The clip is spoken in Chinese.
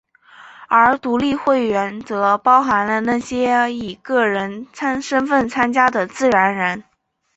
而独立会员则包含了那些以个人身份参加的自然人。